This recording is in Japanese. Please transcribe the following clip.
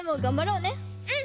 うん。